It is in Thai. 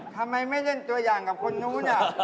ทำไมไม่เล่นตัวอย่างกับคนนู้น